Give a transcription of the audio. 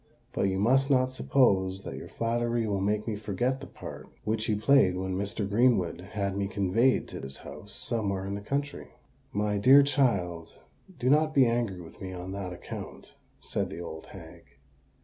"But you must not suppose that your flattery will make me forget the part which you played when Mr. Greenwood had me conveyed to his house somewhere in the country." "My dear child, do not be angry with me on that account," said the old hag.